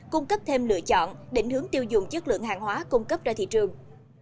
cung cấp thêm lựa chọn định hướng tiêu dùng chất lượng hàng hóa cung cấp ra thị trường